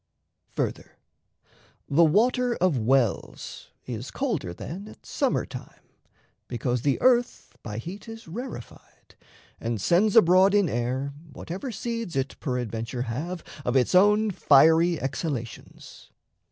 Further, the water of wells is colder then At summer time, because the earth by heat Is rarefied, and sends abroad in air Whatever seeds it peradventure have Of its own fiery exhalations.